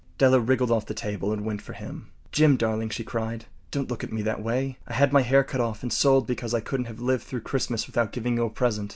Della wriggled off the table and went for him. “Jim, darling,” she cried, “don’t look at me that way. I had my hair cut off and sold because I couldn’t have lived through Christmas without giving you a present.